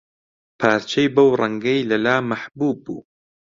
پارچەی بەو ڕەنگەی لەلا مەحبووب بوو